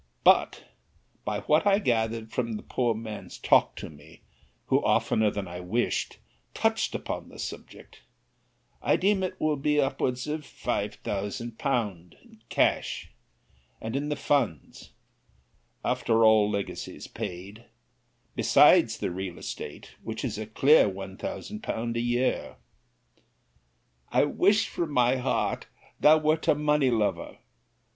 But, by what I gathered from the poor man's talk to me, who oftener than I wished touched upon the subject, I deem it will be upwards of 5000£. in cash, and in the funds, after all legacies paid, besides the real estate, which is a clear 1000£. a year. I wish, from my heart, thou wert a money lover!